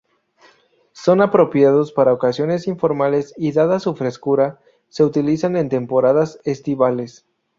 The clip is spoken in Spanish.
Son apropiados para ocasiones informales y dada su frescura, se utilizan en temporadas estivales.